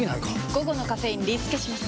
午後のカフェインリスケします！